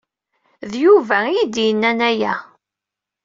D Yuba ay iyi-d-yennan aya.